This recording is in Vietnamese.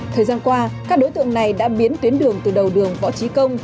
thời gian qua các đối tượng này đã biến tuyến đường từ đầu đường võ trí công